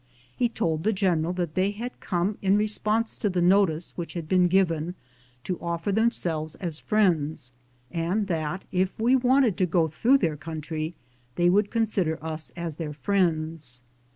He told the general (hat they had come in response to the notice which had been given, to offer themselves as friends, and that if we wanted to go through their country they would con sider ua as their friends.